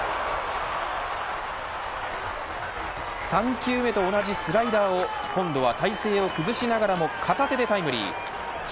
３球目と同じスライダーを今度は体勢を崩しながらも片手でタイムリー。